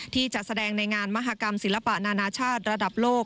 จัดแสดงในงานมหากรรมศิลปะนานาชาติระดับโลก